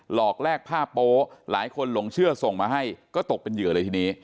หลอกแลกผ้าโป๊หลายคนหลงเชื่อส่งมาให้ก็ตกเป็นเหยื่อเลยทีนี้